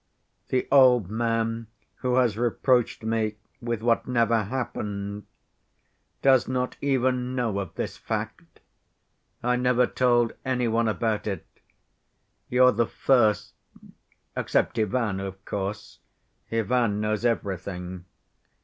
The old man who has reproached me with what never happened does not even know of this fact; I never told any one about it. You're the first, except Ivan, of course—Ivan knows everything.